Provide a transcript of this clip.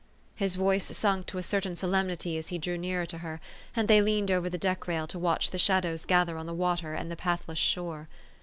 His voice sunk to a certain solemnity as he drew nearer to her, and they leaned over the deck rail to watch the shadows gather on the water and the pathless shore.